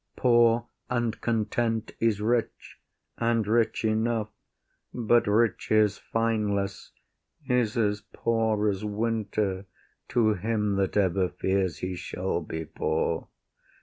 IAGO. Poor and content is rich, and rich enough; But riches fineless is as poor as winter To him that ever fears he shall be poor.